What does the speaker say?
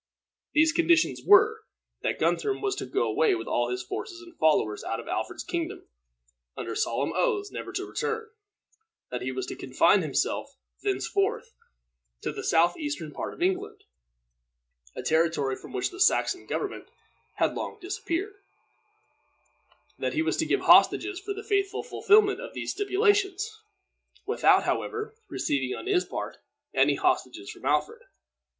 These conditions were, that Guthrum was to go away with all his forces and followers out of Alfred's kingdom, under solemn oaths never to return; that he was to confine himself thenceforth to the southeastern part of England, a territory from which the Saxon government had long disappeared; that he was to give hostages for the faithful fulfillment of these stipulations, without, however, receiving on his part any hostages from Alfred.